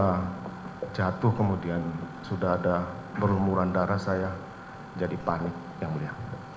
saya jatuh kemudian sudah ada berumuran darah saya jadi panik yang mulia